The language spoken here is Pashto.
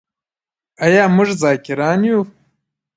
آیا موږ ذاکران یو؟